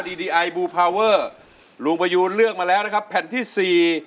ตอนนี้คุณประยุณเลือกไปแล้วแผ่นที่๓